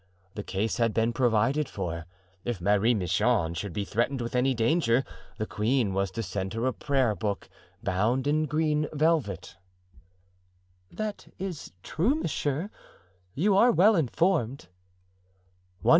The case had been provided for: if Marie Michon should be threatened with any danger the queen was to send her a prayer book bound in green velvet." "That is true, monsieur, you are well informed."